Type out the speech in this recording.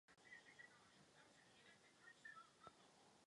Vladislav ke konci své vlády držel již pouze některá území v Albánii a Makedonii.